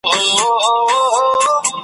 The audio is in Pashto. چې د ملي ولسواکۍ هيله يې لرله.